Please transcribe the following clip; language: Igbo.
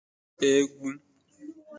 Egwu